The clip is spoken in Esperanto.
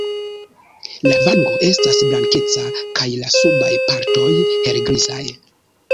La vango estas blankeca kaj la subaj partoj helgrizaj.